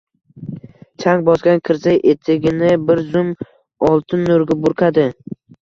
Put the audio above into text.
chang bosgan kirza etigini bir zum oltin nurga burkadi.